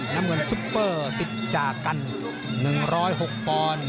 นำกันซุปเปอร์สิจจากัน๑๐๖ปอนด์